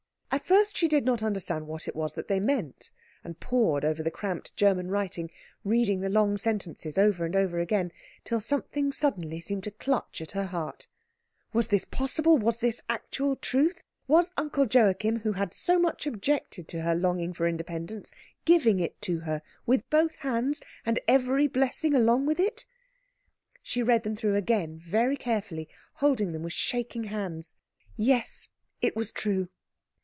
At first she did not understand what it was that they meant, and pored over the cramped German writing, reading the long sentences over and over again, till something suddenly seemed to clutch at her heart. Was this possible? Was this actual truth? Was Uncle Joachim, who had so much objected to her longing for independence, giving it to her with both hands, and every blessing along with it? She read them through again, very carefully, holding them with shaking hands. Yes, it was true.